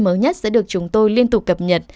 thông tin mới nhất sẽ được chúng tôi liên tục cập nhật